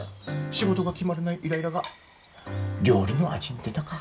仕事が決まらないイライラが料理の味に出たか。